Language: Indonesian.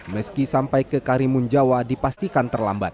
meski sampai ke karimunjawa dipastikan terlambat